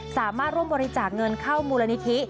สามารถร่วมบริจาคเงินเข้ามูลนิธิ